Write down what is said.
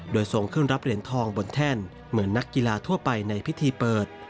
โดยทรงขึ้นรับเหรียญทองบนแท่นเหมือนนักกีฬาทั่วไปในพิธีเปิด